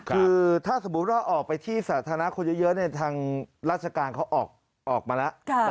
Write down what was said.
คือถ้าสมมุติว่าออกไปที่สาธารณะคนเยอะทางราชการเขาออกมาแล้ว